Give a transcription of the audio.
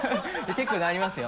結構なりますよ。